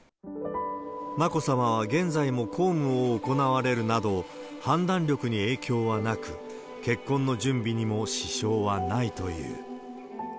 眞子さまは現在も公務を行われるなど、判断力に影響はなく、結婚の準備にも支障はないという。